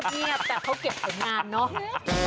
นั่งเงียบแต่เขาเก็บเป็นงานเนอะ